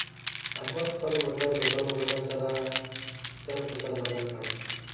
احمد خپل موټر له بل موټر سره سر په سر بدل کړ.